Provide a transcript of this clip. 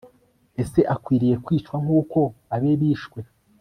ese akwiriye kwicwa nk'uko abe bishwe